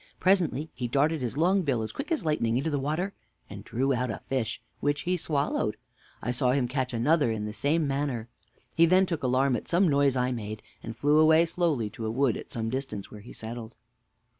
Presently he darted his long bill as quick as lightning into the water, and drew out a fish, which he swallowed. I saw him catch another in the same manner. He then took alarm at some noise I made, and flew away slowly to a wood at some distance, where he settled.